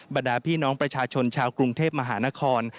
บรรดาพี่น้องประชาชนชาวกรุงเทพมหานคร